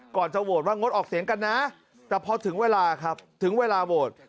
ก่อนจะโหวตว่างดออกเสียงกันนะแต่พอถึงเวลาครับถึงเวลาโหวต